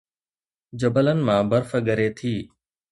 جبلن مان برف ڳري ٿي